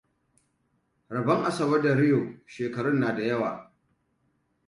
Rabon Asabe da Rio shekarun na da yawa.